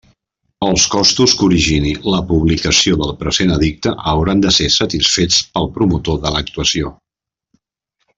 Els costos que origine la publicació del present edicte hauran de ser satisfets pel promotor de l'actuació.